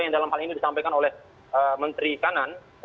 yang dalam hal ini disampaikan oleh menteri kanan